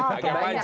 agak panjang ini ya